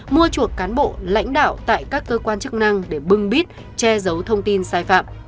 mua chuộc cán bộ lãnh đạo tại các cơ quan chức năng để bưng bít che giấu thông tin sai phạm